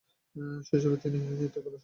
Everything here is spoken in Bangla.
শৈশবেই তিনি নৃত্যকলা ও সঙ্গীতে প্রশিক্ষণ নেন।